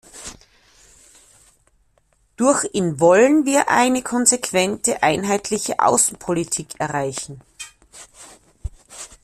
Durch in wollen wir eine konsequente und einheitliche Außenpolitik erreichen.